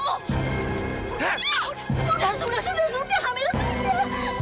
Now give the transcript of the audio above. sudah sudah sudah sudah amir